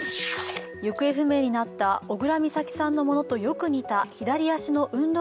行方不明になった小倉美咲さんのものとよく似た左足の運動